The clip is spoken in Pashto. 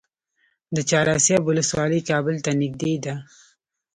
د چهار اسیاب ولسوالۍ کابل ته نږدې ده